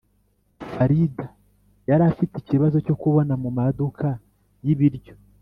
Farida yari afite ikibazo cyo kubona mu maduka y ibiryo